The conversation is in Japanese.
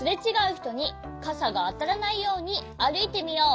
ひとにかさがあたらないようにあるいてみよう。